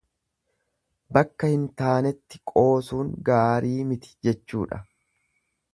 Bakka hin taanetti qoosuun gaarii miti jechuudha.